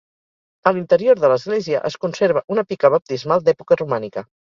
A l'interior de l'església es conserva una pica baptismal d'època romànica.